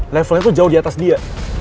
levelnya tuh jauh diatas dia